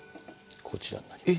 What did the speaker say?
こちらになります。